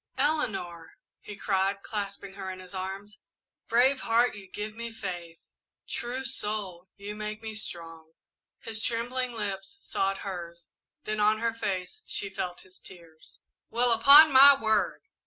"Eleanor!" he cried, clasping her in his arms. "Brave heart, you give me faith! True soul, you make me strong!" His trembling lips sought hers, then on her face she felt his tears. "Well, upon my word!"